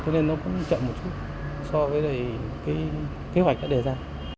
cho nên nó cũng chậm một chút so với cái kế hoạch đã đề ra